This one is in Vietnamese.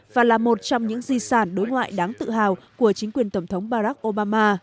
và là một trong những di sản đối ngoại đáng tự hào của chính quyền tổng thống barack obama